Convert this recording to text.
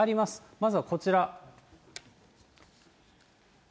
まずはこちら。